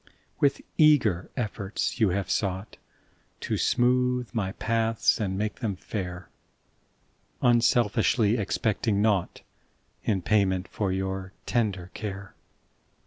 % W ITH eager efforts you Have sougkt To smootk my paths and make them fair, Unselfiskly expect 5 mg naugkt In payment for your tender care.